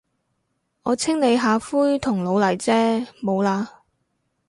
我清理下灰同老泥啫，冇喇。